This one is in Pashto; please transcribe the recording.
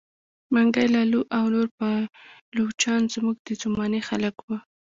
منګی لالو او نور پایلوچان زموږ د زمانې خلک وه.